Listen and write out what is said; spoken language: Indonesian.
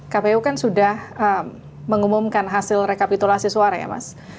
kpu kan sudah mengumumkan hasil rekapitulasi suara ya mas